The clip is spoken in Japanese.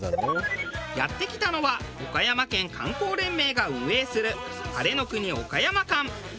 やって来たのは岡山県観光連盟が運営する晴れの国おかやま館。